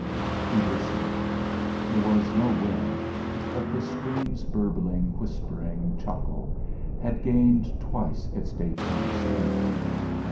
He listened. There was no wind, but the stream's burbling whispering chuckle had gained twice its daytime strength.